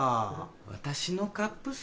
私のカップ数？